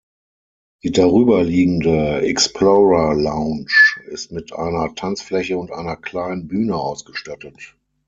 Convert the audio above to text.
Die darüber liegende „Explorer-Lounge“ ist mit einer Tanzfläche und einer kleinen Bühne ausgestattet.